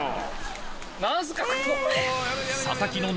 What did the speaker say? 何すかこの。